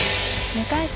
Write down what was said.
２回戦